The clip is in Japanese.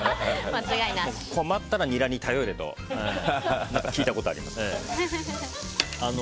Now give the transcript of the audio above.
困ったらニラに頼れと聞いたことがあります。